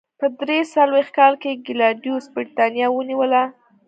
په درې څلوېښت کال کې کلاډیوس برېټانیا ونیوله.